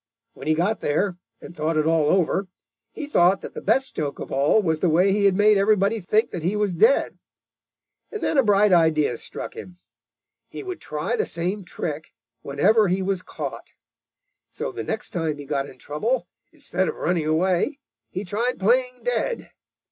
When he got there and thought it all over, he thought that the best joke of all was the way he had made everybody think that he was dead. And then a bright idea struck him: he would try the same trick whenever he was caught. So the next time he got in trouble, instead of running away, he tried playing dead.